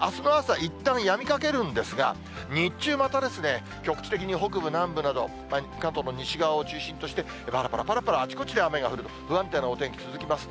あすの朝、いったんやみかけるんですが、日中また、局地的に北部、南部など、関東の西側を中心として、ぱらぱらぱらぱらあちこちで雨が降る、不安定なお天気続きます。